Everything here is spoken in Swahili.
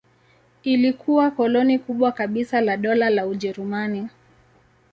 Ilikuwa koloni kubwa kabisa la Dola la Ujerumani.